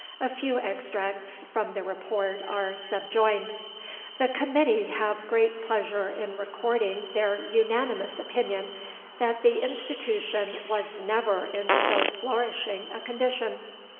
A few extracts from the Report are subjoined: "The Committee have great pleasure in recording their unanimous opinion, that the Institution was never in so flourishing a condition....